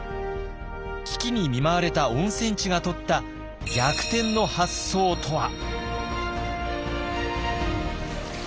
危機に見舞われた温泉地がとった逆転の発想とは？